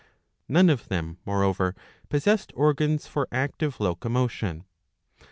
None of them, moreover, possessed organs for active locomotion.